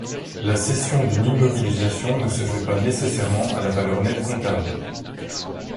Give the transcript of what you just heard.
La cession d'une immobilisation ne se fait pas nécessairement à la valeur nette comptable.